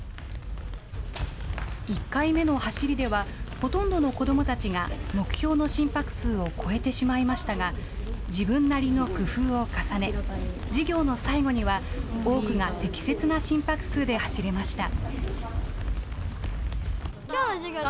１回目の走りでは、ほとんどの子どもたちが目標の心拍数を超えてしまいましたが、自分なりの工夫を重ね、授業の最後には多くが適切な心拍数で走れました。